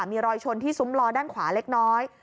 มีรอยชนที่ซุ้มลอด้านขวาเล็กน้อย